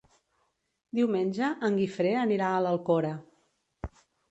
Diumenge en Guifré anirà a l'Alcora.